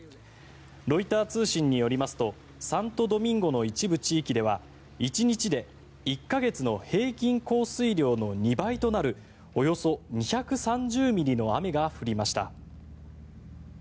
ロイター通信によりますとサントドミンゴの一部地域では１日で１か月の平均降水量の２倍となるおよそ２３０ミリの雨が降りました。